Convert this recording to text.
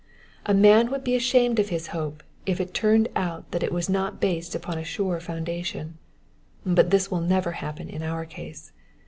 A man would be ashamed of his hope if it turned out that it was not based upon a sure foundation ; but this will never happen in our case.